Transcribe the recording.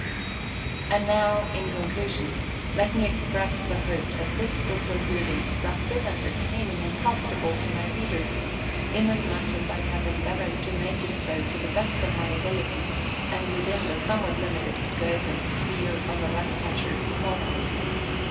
And now, in conclusion, let me express the hope that this book will prove instructive, entertaining, and profitable to my readers, inasmuch as I have endeavoured to make it so to the best of my ability and within the somewhat limited scope and sphere of a Rat catcher's calling.